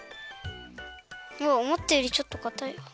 おもったよりちょっとかたいわ。